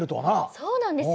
そうなんですよ。